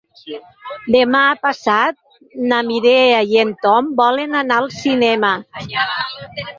Demà passat na Mireia i en Tom volen anar al cinema.